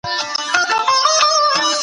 ځینې پرمختللي هیوادونه طبیعي منابع لږ لري.